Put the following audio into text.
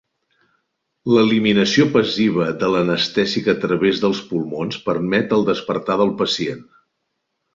L'eliminació passiva de l'anestèsic a través dels pulmons permet el despertar del pacient.